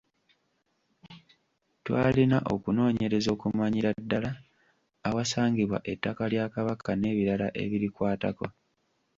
Twalina okunoonyereza okumanyira ddala awasangibwa ettaka lya Kabaka n’ebirala ebirikwatako.